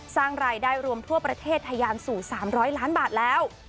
สร้างรายได้รวมทั่วประเทศทะยานสู่๓๐๐ล้านบาทแล้ว